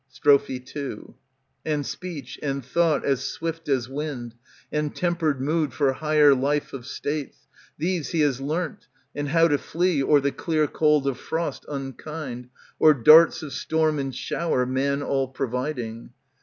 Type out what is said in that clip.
Strophe II And speech, and thought as swift as wind, And tempered mood for higher life of states. These he has learnt, and how to flee Or the clear cold of frost unkind, Or darts of storm and shower, Man all providing.